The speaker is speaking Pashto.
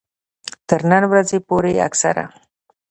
تر نن ورځې پورې اکثره